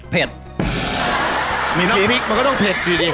เผ็ด